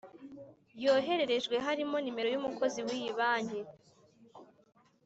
yohererejwe harimo nimero y’umukozi w’iyi banki